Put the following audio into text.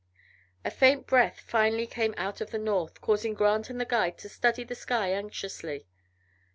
A faint breath finally came out of the north, causing Grant and the guide to study the sky anxiously.